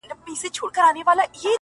د پاچا د لوڅ بدن خبره سره سوه .!